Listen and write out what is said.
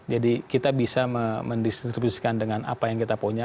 jadi kita bisa mendistribusikan dengan apa yang kita punya